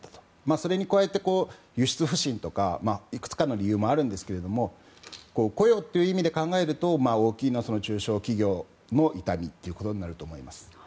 それに加えて、輸出不振とかいくつかの理由もありますが雇用という意味で考えると大きいのは中小企業のということになります。